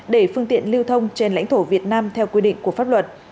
để phương tiện lưu thông trên lãnh thổ việt nam theo quy định của pháp luật